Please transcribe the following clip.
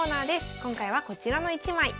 今回はこちらの一枚。